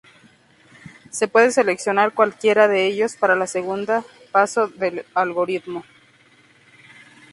Se puede seleccionar cualquiera de ellos para la segunda paso del algoritmo.